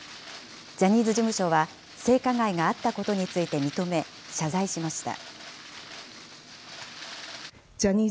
ジャニーズ事務所は性加害があったことについて認め、謝罪しました。